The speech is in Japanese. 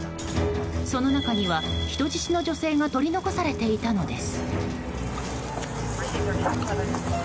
その中には人質の女性が取り残されていたのです。